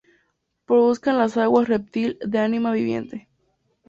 Produzcan las aguas reptil de ánima viviente.